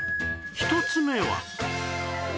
１つ目は